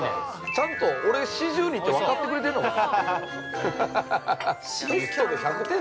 ちゃんと、俺、４２って分かってくれてんのかな。